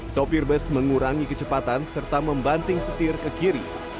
sopir bus mengurangi kecepatan serta membanting setir ke kiri